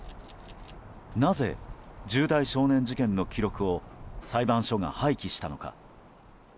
なぜ重大少年事件の記録を裁判所が廃棄したのか。